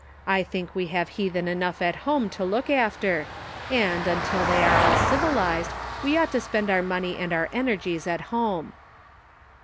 I think we have heathen enough at home to look after, and, until they are all civilized, we ought to spend our money and our energies at home."